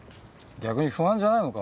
逆に不安じゃないのか？